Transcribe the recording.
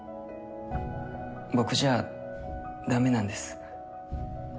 僕じゃだめなんです。